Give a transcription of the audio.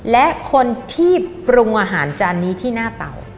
และคนที่ปรุงอาหารจานนี้ที่หน้าเตา